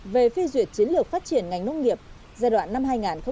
về phê duyệt chiến lược phát triển ngành nông nghiệp giai đoạn năm hai nghìn hai mươi